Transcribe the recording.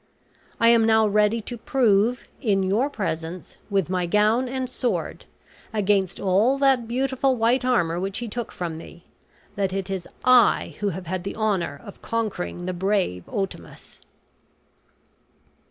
I am now ready to prove in your presence, with my gown and sword, against all that beautiful white armor which he took from me, that it is I who have had the honor of conquering the brave Otamus."